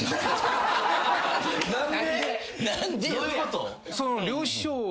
何で？